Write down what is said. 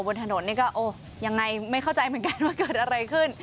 บนถนนนี่ก็ยังไงไม่เข้าใจเหมือนกันว่าเกิดอะไรขึ้น